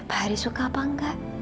pak haris suka apa enggak